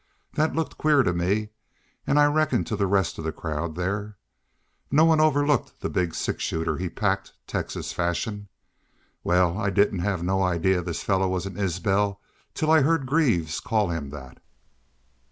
That looked queer to me, an' I reckon to the rest of the crowd thar. No one overlooked the big six shooter he packed Texas fashion. Wal, I didn't hev no idee this fellar was an Isbel until I heard Greaves call him thet.